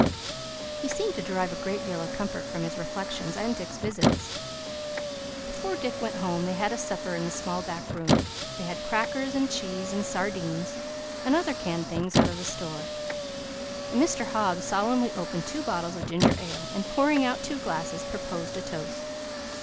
He seemed to derive a great deal of comfort from his reflections and Dick's visit. Before Dick went home, they had a supper in the small back room; they had crackers and cheese and sardines, and other canned things out of the store, and Mr. Hobbs solemnly opened two bottles of ginger ale, and pouring out two glasses, proposed a toast.